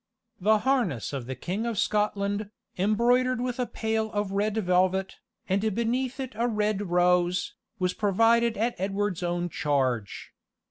The harness of the King of Scotland, embroidered with a pale of red velvet, and beneath it a red rose, was provided at Edward's own charge.